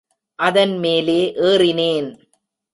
அதன் மேலே ஏறினேன்.